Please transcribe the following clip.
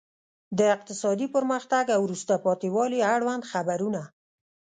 د اقتصادي پرمختګ او وروسته پاتې والي اړوند خبرونه.